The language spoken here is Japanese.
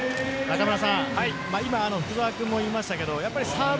今、福澤君も言いましたがサーブ